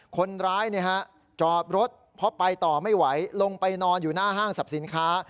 คนร้ายจอดรถเพราะไปต่อไม่ไหวลงไปนอนอยู่หน้าห้างสรรพสินค้า